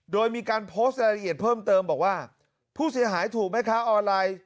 โดยมีการโพสต์รายละเอียดเพิ่มเติมบอกว่าผู้เสียหายถูกแม่ค้าออนไลน์